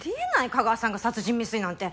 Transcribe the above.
架川さんが殺人未遂なんて。